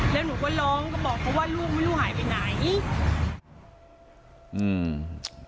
แล้วหนูก็ร้องก็บอกเขาว่าลูกไม่รู้หายไปไหนอืม